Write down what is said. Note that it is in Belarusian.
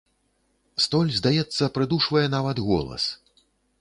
Столь, здаецца, прыдушвае нават голас.